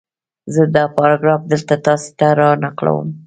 زه دا پاراګراف دلته تاسې ته را نقلوم